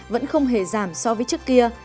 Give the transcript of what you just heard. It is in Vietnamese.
vẫn không hề giảm so với trước kia